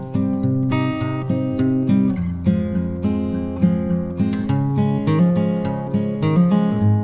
jika kamipng nuestra kota